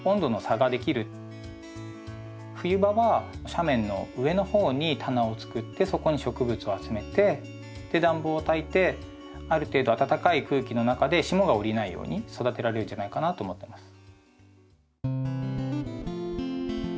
冬場は斜面の上の方に棚を作ってそこに植物を集めてで暖房をたいてある程度暖かい空気の中で霜が降りないように育てられるんじゃないかなと思ってます。